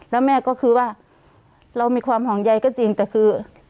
แล้วแม่ก็คือว่าเรามีความห่วงใยก็จริงแต่คือ